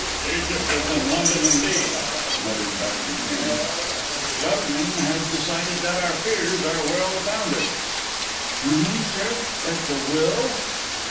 "Egypt is in London, indeed," muttered Dr. Cairn. "Jermyn has decided that our fears are well founded." "You mean, sir, that the will